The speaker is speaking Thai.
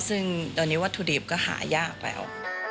ซึ่งตอนนี้วัตถุดิบก็หายากแล้ว